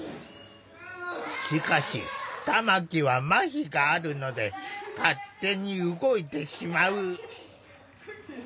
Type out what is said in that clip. しかし玉木はまひがあるので勝手に動いてしまう。